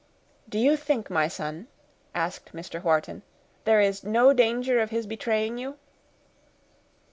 "Do you think, my son," asked Mr. Wharton, "there is no danger of his betraying you?"